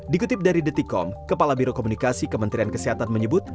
dikutip dari detikom kepala biro komunikasi kementerian kesehatan menyebut